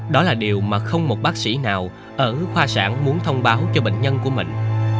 đó là điều mà không một bác sĩ nào ở khoa sản muốn thông báo cho bệnh nhân của mình